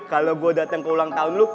kalo gue dateng ke ulang tahun lo